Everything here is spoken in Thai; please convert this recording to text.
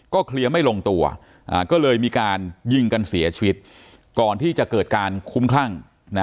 เคลียร์ไม่ลงตัวก็เลยมีการยิงกันเสียชีวิตก่อนที่จะเกิดการคุ้มคลั่ง